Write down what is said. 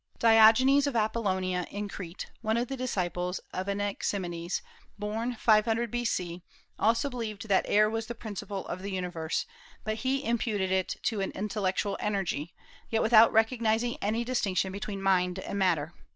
Diogenes of Apollonia, in Crete, one of the disciples of Anaximenes, born 500 B.C., also believed that air was the principle of the universe, but he imputed to it an intellectual energy, yet without recognizing any distinction between mind and matter.